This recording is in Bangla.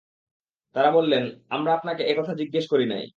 তারা বললেনঃ আমরা আপনাকে এ কথা জিজ্ঞেস করি নাই।